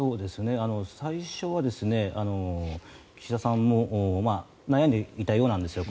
最初は岸田さんも悩んでいたようなんですよ